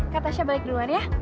kak tasya balik duluan ya